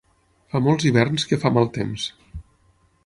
Fa molts hiverns que fa mal temps.